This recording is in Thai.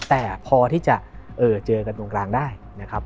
แต่พอที่จะเจอกันตรงกลางได้นะครับ